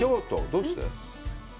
どうして？